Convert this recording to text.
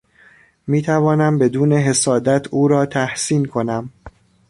میتوانم بدون حسادت او را تحسین کنم.